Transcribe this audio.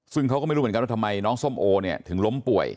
ซึ่งเขาก็ไม่รู้เหมือนกันว่าทำไมน้องส้มโอเนี่ยถึงล้มป่วย